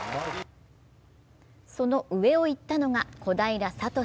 その上をいったのが小平智。